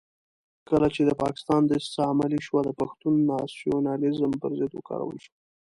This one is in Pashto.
کله چې د پاکستان دسیسه عملي شوه د پښتون ناسیونالېزم پر ضد وکارول شو.